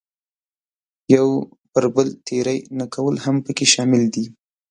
یو پر بل تېری نه کول هم پکې شامل دي.